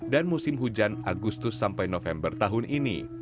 dan musim hujan agustus sampai november tahun ini